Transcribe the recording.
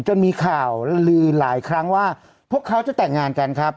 จนมีข่าวลือหลายครั้งว่าพวกเขาจะแต่งงานกันครับ